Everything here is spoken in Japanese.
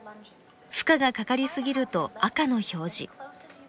負荷がかかりすぎると赤の表示。